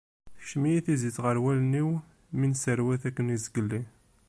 Tekcem-iyi tiẓẓit ɣer wallen-iw mi nesserwat akken izgelli.